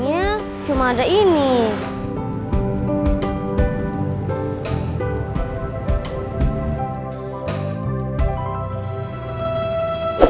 kena pasa ini itu beberapa orang paint movie